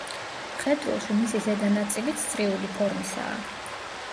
მხედრულში მისი ზედა ნაწილიც წრიული ფორმისაა.